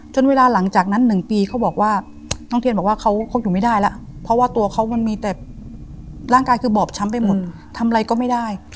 เวลาหลังจากนั้น๑ปีเขาบอกว่าน้องเทียนบอกว่าเขาคบอยู่ไม่ได้แล้วเพราะว่าตัวเขามันมีแต่ร่างกายคือบอบช้ำไปหมดทำอะไรก็ไม่ได้